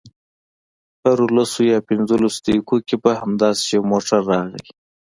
هرو لسو یا پنځلسو دقیقو کې به همداسې یو موټر راغی.